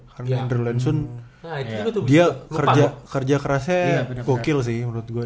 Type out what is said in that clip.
karena andrew lansun dia kerja kerasnya gokil sih menurut gue